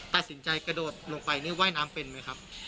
ตัดสินใจกระโดดลงไปนี่ว่ายน้ำเป็นไหมครับ